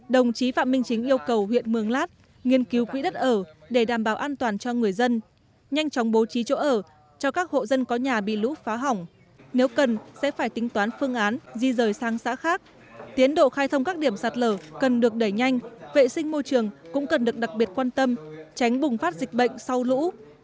đồng chí phạm minh chính yêu cầu huyện mường lát nghiên cứu quỹ đất ở để đảm bảo an toàn cho người dân nhanh chóng bố trí chỗ ở cho các hộ dân có nhà bị lũ phá hỏng nếu cần sẽ phải tính toán phương án di rời sang xã khác tiến độ khai thông các điểm sạt lở cần được đẩy nhanh vệ sinh môi trường cũng cần được đặc biệt quan tâm tránh bùng phát dịch bệnh sau lũ